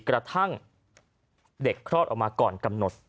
กระทั่งเด็กคลอดออกมาก่อนกำหนด